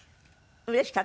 うれしかった？